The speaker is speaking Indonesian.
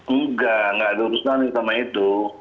enggak enggak ada urusan sama itu